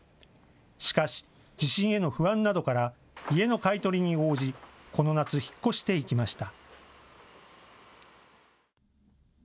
しかし、地震への不安などから家の買い取りに応じ、この夏、引っ越していきました。